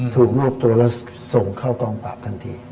ถูกรวบตัวแล้วส่งเข้ากองปราบทันที